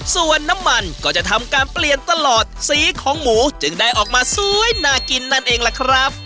ส่วนน้ำมันก็จะทำการเปลี่ยนตลอดสีของหมูจึงได้ออกมาสวยน่ากินนั่นเองล่ะครับ